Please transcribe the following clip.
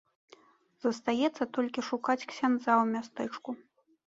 Застаецца толькі шукаць ксяндза ў мястэчку.